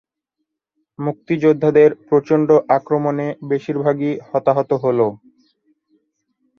মুক্তিযোদ্ধাদের প্রচণ্ড আক্রমণে বেশির ভাগই হতাহত হলো।